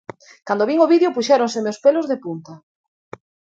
Cando vin o vídeo puxéronseme os pelos de punta.